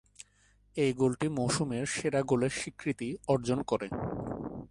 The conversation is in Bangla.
এই গোলটি মৌসুমের সেরা গোলের স্বীকৃতি অর্জন করে।